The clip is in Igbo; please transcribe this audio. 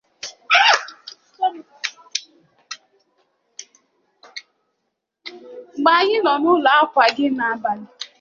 mgbe anyị nọọ n’ụlọ akwa gị n’abalị